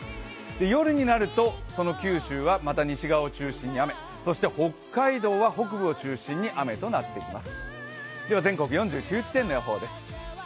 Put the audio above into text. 夜になると、九州はまた西側を中心に雨そして北海道は北部を中心に雨となってきます。